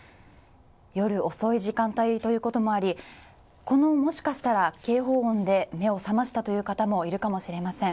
夜遅い時間帯ということもあり、もしかしたら、この警報音で目を覚ましたという方もいるかもしれません。